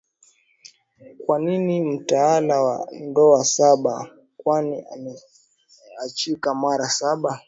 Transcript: kwani ni mtalaka wa ndoa saba kwani ameachika mara saba